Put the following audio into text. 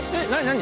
何？